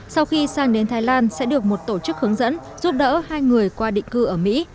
sau khi sang đến thái lan sẽ được một tổ chức hướng dẫn giúp đỡ hai người qua định cư ở mỹ